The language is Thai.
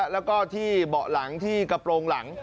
แล้วก็ที่เบาะหลังที่กระโปรงหลัง